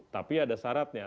tapi ada syaratnya